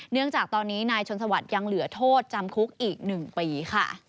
เนื่องจากตอนนี้นายชนสวัสดิ์ยังเหลือโทษจำคุกอีก๑ปีค่ะ